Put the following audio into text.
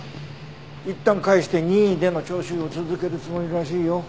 いったん帰して任意での聴取を続けるつもりらしいよ。